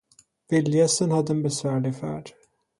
Vildgässen hade en besvärlig färd.